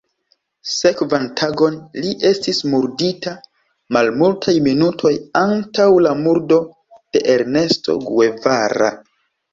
Sekvan tagon li estis murdita malmultaj minutoj antaŭ la murdo de Ernesto Guevara.